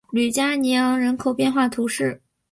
吕加尼昂人口变化图示